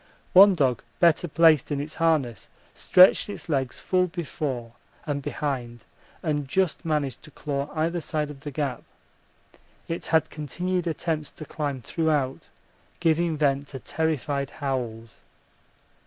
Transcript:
One dog better placed in its harness stretched its legs full before and behind and just managed to claw either side of the gap it had continued attempts to climb throughout, giving vent to terrified howls.